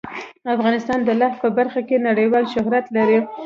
افغانستان د لعل په برخه کې نړیوال شهرت لري.